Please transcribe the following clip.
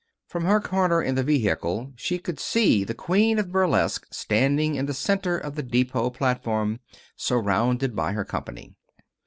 From her corner in the vehicle she could see the queen of burlesque standing in the center of the depot platform, surrounded by her company.